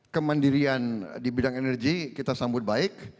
keadaan dirian di bidang energi kita sambut baik